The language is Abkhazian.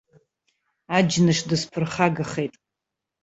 Аџьныш дысԥырхагахеит.